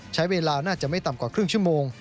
ใช้เวลาน่าจะไม่ต่ำกว่าครึ่งชั่วโมง